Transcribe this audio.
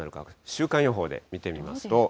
週間予報で見てみますと。